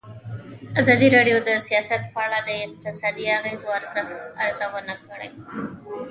ازادي راډیو د سیاست په اړه د اقتصادي اغېزو ارزونه کړې.